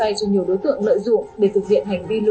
những lưu ý từ chương trình